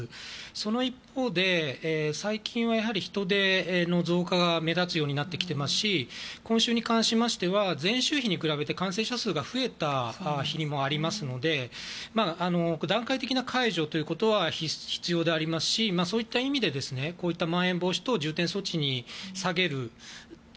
その一方で最近は人出の増加が目立つようになってきていますし今週に関しましては前週比に比べて感染者数が増えた日もありますので段階的な解除ということは必要でありますしそういった意味で、こういったまん延防止等重点措置に下げるという。